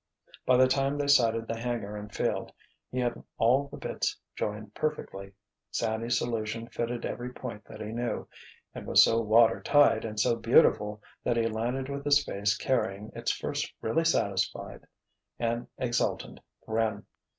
By the time they sighted the hangar and field, he had all the bits joined perfectly. Sandy's solution fitted every point that he knew, and was so "water tight" and so beautiful that he landed with his face carrying its first really satisfied, and exultant grin.